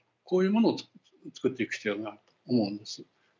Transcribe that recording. こういうものを作っていく必要があると思うんです。